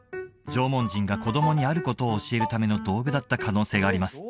縄文人が子供にあることを教えるための道具だった可能性があります